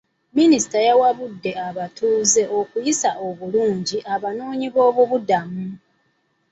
Minisita yawabudde abatuuze okuyisa obulungi abanoonyiboobubudamu.